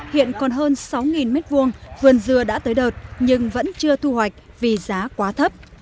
hiện còn hơn sáu m hai vườn dưa đã tới đợt nhưng vẫn chưa thu hoạch vì giá quá thấp